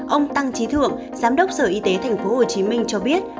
ông tăng trí thượng giám đốc sở y tế tp hcm cho biết